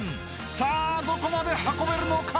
［さあどこまで運べるのか？］